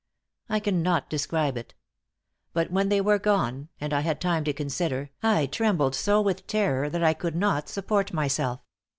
I cannot describe it. But when they were, gone, and I had time to consider, I trembled so with terror that I could not support myself.